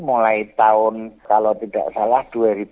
mulai tahun kalau tidak salah dua ribu lima belas